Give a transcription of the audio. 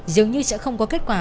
dường như sẽ không có kết quả